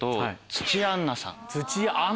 土屋アンナさん。